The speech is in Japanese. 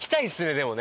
でもね。